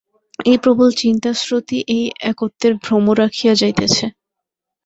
এই প্রবল চিন্তাস্রোতই এই একত্বের ভ্রম রাখিয়া যাইতেছে।